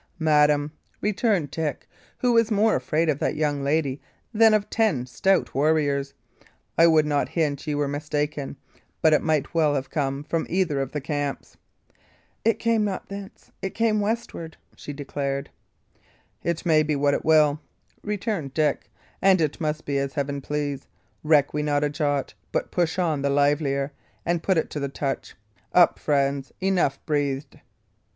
"Madam," returned Dick, who was more afraid of that young lady than of ten stout warriors, "I would not hint ye were mistaken; but it might well have come from either of the camps." "It came not thence. It came from westward," she declared. "It may be what it will," returned Dick; "and it must be as heaven please. Reck we not a jot, but push on the livelier, and put it to the touch. Up, friends enough breathed."